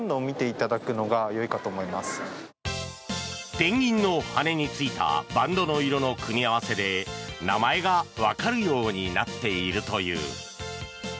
ペンギンの羽についたバンドの色の組み合わせで名前がわかるようになっているという。